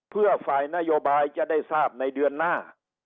เพื่อฝ่ายนโยบายจะได้ทราบในเดือนหน้า